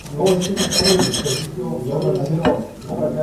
La punta de la corona dental se dobla ligeramente hacia atrás.